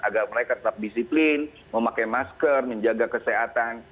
agar mereka tetap disiplin memakai masker menjaga kesehatan